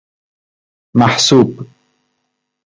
محسوب